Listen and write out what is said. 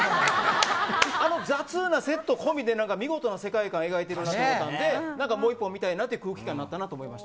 あの雑なセット込みで見事な世界観を描いてると思ってもう一個、見たいという空気感になったと思います。